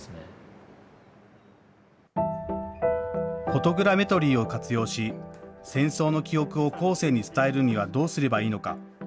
フォトグラメトリーを活用し、戦争の記憶を後世に伝えるにはどうすればいいのか。